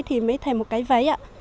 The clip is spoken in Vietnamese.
giống như vãi ạ